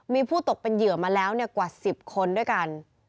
มีผู้ตกเป็นเหยื่อมาแล้วกว่า๑๐คนด้วยกัน